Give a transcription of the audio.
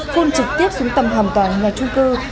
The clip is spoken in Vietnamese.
khuôn trực tiếp xuống tầm hầm tòa nhà trung cư